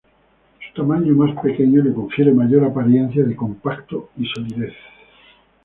Su tamaño más pequeño, le confiere mayor apariencia de compacto y solidez.